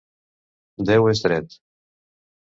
Déu és dret.